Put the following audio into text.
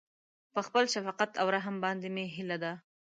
په خپل شفقت او رحم باندې مې هيله ده.